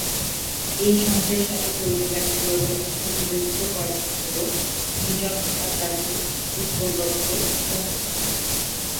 এই সংঘের সাথে জড়িত ব্যক্তিবর্গের মধ্যে উল্লেখযোগ্য কয়েকজন হলেনঃ বিজন ভট্টাচার্য, উৎপল দত্ত প্রমুখ।